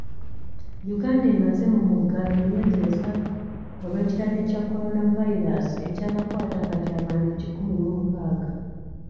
Uganda emaze mu muggalo emyezi esatu olw'ekirwadde kya Kolonavayiraasi ekyakakwata kati abantu kikumi mu nkaaga.